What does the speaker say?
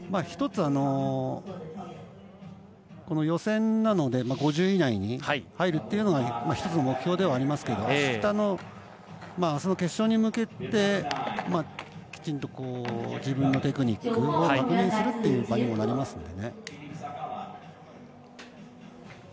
予選なので５０位以内に入るというのが１つの目標ではありますけれどもあすの決勝に向けてきちんと自分のテクニックを確認するという場にもなりますのでね。